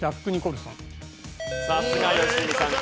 さすが！良純さん。